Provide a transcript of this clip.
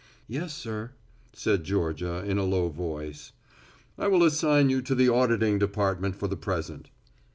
"Yes, sir," said Georgia in a low voice. "I will assign you to the auditing department for the present."